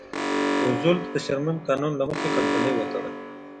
روزولټ د شرمن قانون له مخې کمپنۍ وتړله.